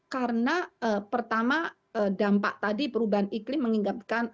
karena pertama dampak tadi perubahan iklim mengingatkan